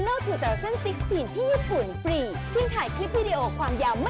แล้วก็แบบได้รับความชม